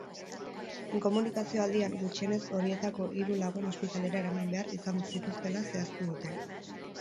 Inkomunikazio aldian gutxienez horietako hiru lagun ospitalera eraman behar izan zituztela zehaztu dute.